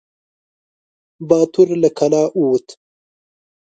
باتور له کلا ووت.